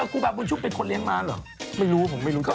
ครูบาบุญชุมเป็นคนเลี้ยงมาหรอไม่รู้ผมไม่รู้จักครูบาบุญชุม